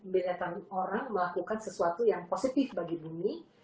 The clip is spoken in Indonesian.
bila kami orang melakukan sesuatu yang positif bagi bumi